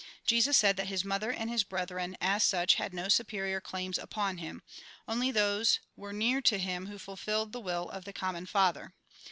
Jesus said that his mother and his brethren, as such, had no superior claims upon him ; only those were near to him who fulfilled the will of the com mon Father.